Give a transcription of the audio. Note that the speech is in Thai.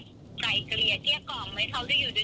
แบบว่าการทำตัวของภรรยาเค้าทำให้เกิดปัญหา